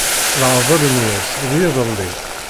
Iaɛdel n wass d yiḍelli.